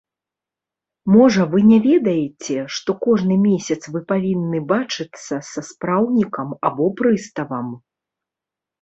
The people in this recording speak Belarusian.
Можа, вы не ведаеце, што кожны месяц вы павінны бачыцца са спраўнікам або прыставам?